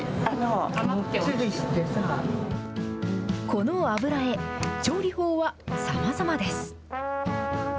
このあぶらえ、調理法はさまざまです。